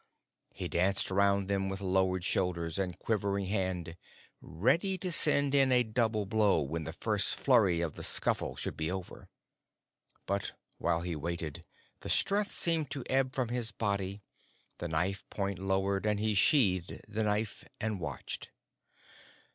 He danced round them with lowered shoulders and quivering hand, ready to send in a double blow when the first flurry of the scuffle should be over; but while he waited the strength seemed to ebb from his body, the knife point lowered, and he sheathed the knife and watched.